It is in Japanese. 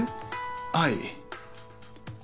はい。